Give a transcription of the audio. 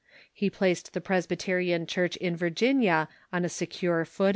He placed the Presbyterian Church in Virginia on a secure footing.